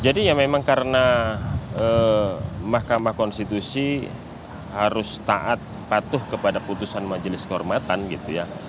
jadi ya memang karena mahkamah konstitusi harus taat patuh kepada putusan majelis kehormatan gitu ya